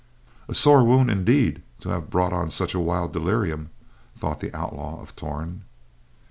A sore wound indeed to have brought on such a wild delirium, thought the Outlaw of Torn.